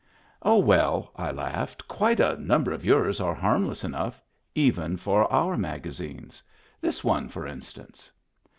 "Oh, well!" I laughed, "quite a number of yours are harmless enough — even for our maga zines. This one for instance."